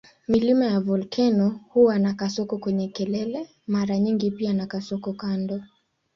Milima ya volkeno huwa na kasoko kwenye kelele mara nyingi pia na kasoko kando.